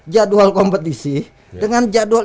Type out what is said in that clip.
jadwal kompetisi dengan jadwal